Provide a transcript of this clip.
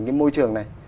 cái môi trường này